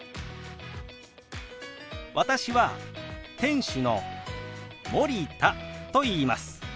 私は店主の森田といいます。